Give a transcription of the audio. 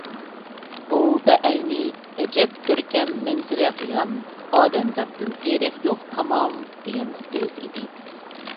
بۇ بەئەينى، ئەجەب كۆركەم مەنزىرە بۇيان، ئادەمزاتتىن دېرەك يوق تامام، دېگەننىڭ ئۆزى ئىدى.